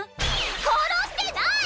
殺してない！